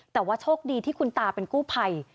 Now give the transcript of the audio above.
แต่ว่าโชคดีที่คุณตาเป็นกู้ภัย